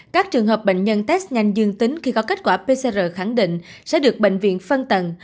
các trường hợp bệnh nhân test nhanh dương tính khi có kết quả pcr khẳng định sẽ được bệnh viện phân tầng